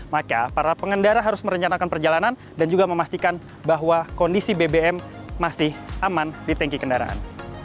maka para pengendara harus merencanakan perjalanan dan juga memastikan bahwa kondisi bbm masih aman di tanki kendaraan